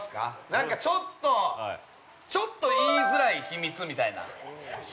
なんかちょっと、ちょっと言いづらい秘密みたいな。